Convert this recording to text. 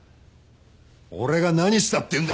俺が何したっていうんだ。